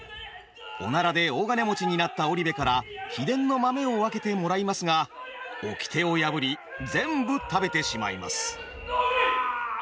おならで大金持ちになった織部から秘伝の豆を分けてもらいますがおきてを破り全部食べてしまいます。